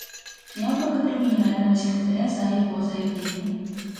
Я благодарю Генерального секретаря за его заявление.